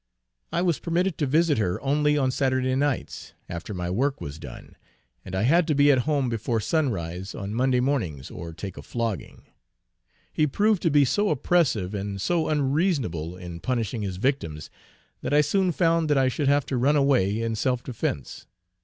I was permitted to visit her only on Saturday nights, after my work was done, and I had to be at home before sunrise on Monday mornings or take a flogging. He proved to be so oppressive, and so unreasonable in punishing his victims, that I soon found that I should have to run away in self defence.